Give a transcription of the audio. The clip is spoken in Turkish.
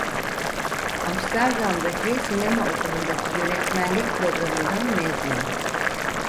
Amsterdam'daki sinema okulundaki yönetmenlik programından mezun oldu.